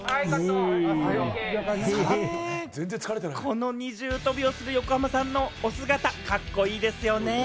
この二重跳びをする横浜さんの姿、カッコいいですよね。